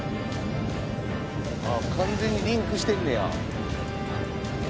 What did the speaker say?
ああ完全にリンクしてんねや。